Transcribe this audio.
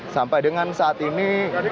sampai dengan saat ini